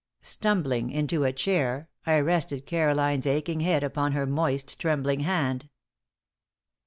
Stumbling into a chair, I rested Caroline's aching head upon her moist, trembling hand.